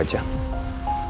dia diam begitu aja